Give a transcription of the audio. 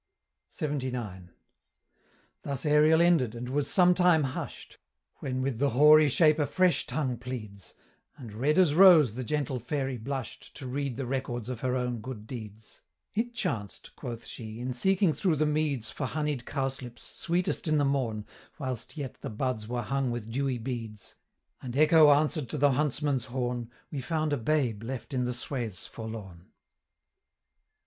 LXXIX. Thus Ariel ended, and was some time hush'd: When with the hoary shape a fresh tongue pleads, And red as rose the gentle Fairy blush'd To read the records of her own good deeds: "It chanced," quoth she, "in seeking through the meads For honied cowslips, sweetest in the morn, Whilst yet the buds were hung with dewy beads." And Echo answered to the huntsman's horn, We found a babe left in the swaths forlorn.